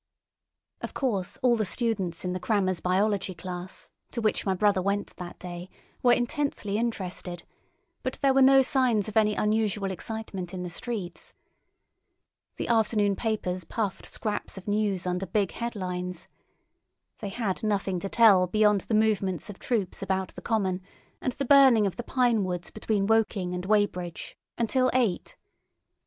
Of course all the students in the crammer's biology class, to which my brother went that day, were intensely interested, but there were no signs of any unusual excitement in the streets. The afternoon papers puffed scraps of news under big headlines. They had nothing to tell beyond the movements of troops about the common, and the burning of the pine woods between Woking and Weybridge, until eight.